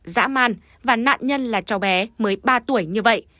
dã man và nạn nhân là cháu bé mới ba tuổi như vậy